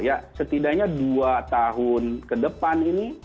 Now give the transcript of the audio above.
ya setidaknya dua tahun ke depan ini